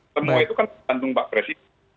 semua itu kan tergantung pak presiden